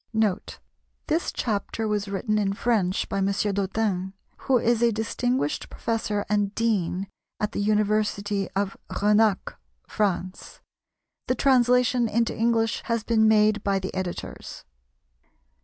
[Note. This chapter was written in French by M. Dottin, who is a distinguished professor and dean at the University of Renacs, France. The translation into English has been made by the Editors.